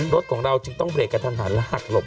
รถของเราจึงต้องเรกกระทันหันและหักหลบ